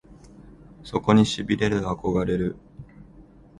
そこに痺れる憧れる